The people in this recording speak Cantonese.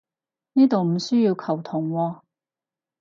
呢度唔需要球僮喎